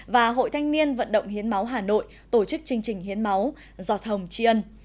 và hội thanh niên vận động hiến máu hà nội tổ chức chương trình hiến máu giọt hồng tri ân